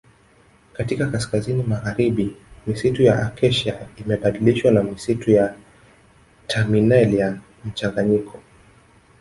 Katika kaskazini magharibi misitu ya Acacia imebadilishwa na misitu ya Terminalia mchanganyiko